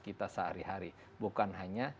kita sehari hari bukan hanya